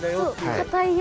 「硬いよ」